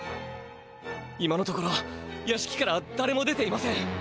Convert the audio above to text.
今のところやしきからだれも出ていません。